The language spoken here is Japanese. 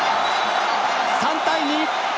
３対２！